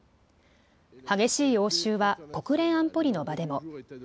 激しい応酬は国連安保理の場でも。